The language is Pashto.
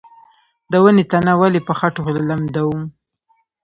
د ونې تنه ولې په خټو لمدوم؟